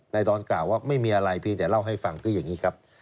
ดอนกล่าวว่าไม่มีอะไรเพียงแต่เล่าให้ฟังคืออย่างนี้ครับ